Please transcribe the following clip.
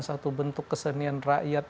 satu bentuk kesenian rakyat